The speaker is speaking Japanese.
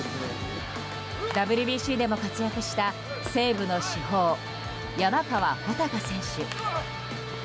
ＷＢＣでも活躍した西武の主砲・山川穂高選手。